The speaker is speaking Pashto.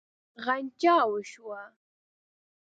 غنجا شوه.